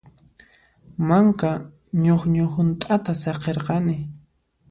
Manka ñuqñu hunt'ata saqirqani.